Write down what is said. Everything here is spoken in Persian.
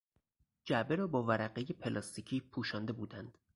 جعبه را با ورقهی پلاستیکی پوشانده بودند.